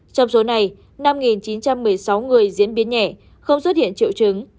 trong số này năm chín trăm một mươi sáu người diễn biến nhẹ không xuất hiện triệu chứng